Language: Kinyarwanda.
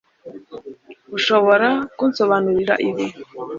Urashobora kunsobanurira ibi